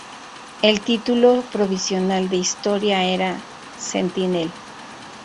El título provisional de historia era "Sentinel".